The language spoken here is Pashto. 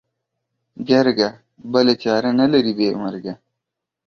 گرگه! بله چاره نه لري بې مرگه.